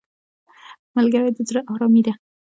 ملګری د زړه آرامي دی